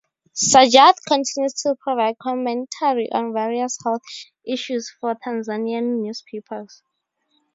Sajjad continues to provide commentary on various health issues for Tanzanian Newspapers.